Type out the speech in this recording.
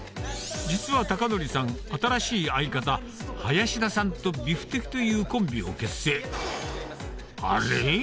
実は孝法さん新しい相方林田さんとビフテキというコンビを結成あれ？